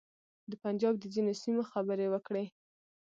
د پنجاب د ځینو سیمو خبرې وکړې.